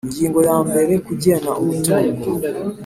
Ingingo ya mbere Kugena umutungo